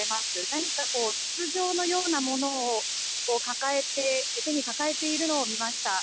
何か筒状のようなものを抱えて、手に抱えているのを見ました。